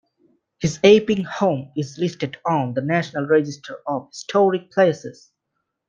His Epping home is listed on the National Register of Historic Places.